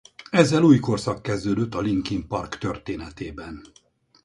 Ezzel új korszak kezdődött a Linkin Park történetében.